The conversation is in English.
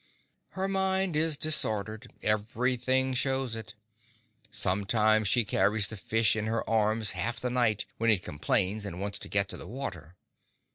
Her mind is disordered—everything shows it. Sometimes she carries the fish in her arms half the night when it complains and wants to get to the water.